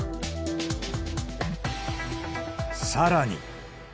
さらに。